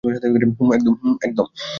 হুম, একদম।